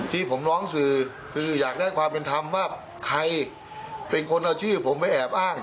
ที่ผมร้องสื่อคืออยากได้ความเป็นธรรมว่าใครเป็นคนเอาชื่อผมไปแอบอ้าง